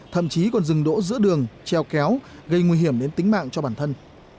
thậm chí còn dừng đỗ giữa đường treo kéo gây nguy hiểm đến tính mạng cho bản thân